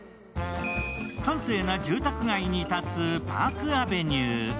閑静な住宅街に建つパークアベニュー。